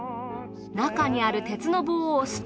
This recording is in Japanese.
中にある鉄の棒を押すと。